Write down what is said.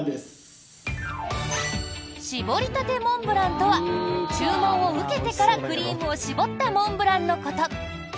搾りたてモンブランとは注文を受けてからクリームを搾ったモンブランのこと。